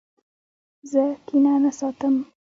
زه کینه نه ساتم.